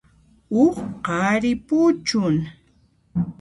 Huk qhari puchun.